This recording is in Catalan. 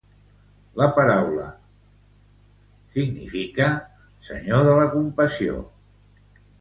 La paraula "Ghrneshwar" significa "senyor de la compassió".